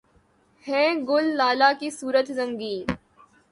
ہیں گل لالہ کی صورت رنگیں